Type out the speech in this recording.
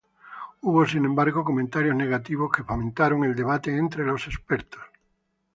Hubo, sin embargo, comentarios negativos que fomentaron el debate entre los expertos.